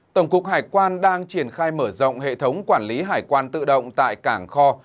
tổng cục hải quan đang triển khai mở rộng hệ thống quản lý hải quan tự động tại cảng kho